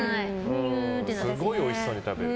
すごいおいしそうに食べる。